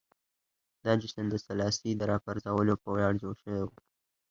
دا جشن د سلاسي د راپرځولو په ویاړ جوړ شوی و.